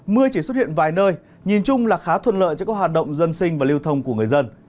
mưa chỉ xuất hiện vài nơi nhìn chung là khá thuận lợi cho các hoạt động dân sinh và lưu thông của người dân